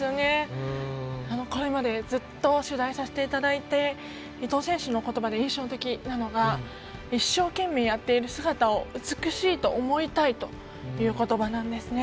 これまでずっと取材させていただいて伊藤選手のことばで印象的なのが一生懸命やっている姿を美しいと思いたいということばなんですね。